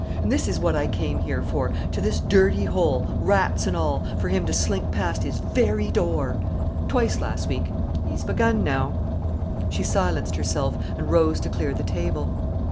And this is what I came here for, to this dirty hole, rats and all, for him to slink past his very door. Twice last week—he's begun now——" She silenced herself, and rose to clear the table.